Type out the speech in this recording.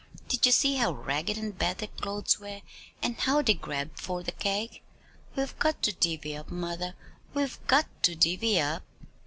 Did you see how ragged and bad their clothes were, and how they grabbed for the cake? We've got to divvy up, mother, we've got to divvy up!"